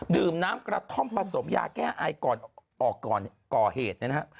ดื่มน้ำกระท่อมผสมยาแก้อายก่อเหตุเนี่ยนะครับ